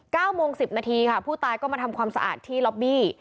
เก้าโมงสิบนาทีค่ะผู้ตายก็มาทำความสะอาดที่ล็อบบี้